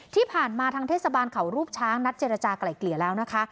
ที่ผ่านมาทางเทศบาลเขารูปช้างนัดเจรจากลายเกลี่ยแล้วนะคะ